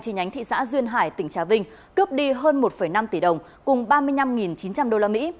chi nhánh thị xã duyên hải tỉnh trà vinh cướp đi hơn một năm tỷ đồng cùng ba mươi năm chín trăm linh đô la mỹ